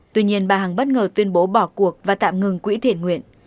tuy nhiên bà hằng bất ngờ tuyên bố bỏ cuộc và tạm ngừng quỹ thiện nguyện